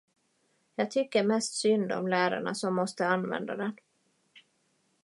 Jag tycker mest synd om lärarna som måste använda den.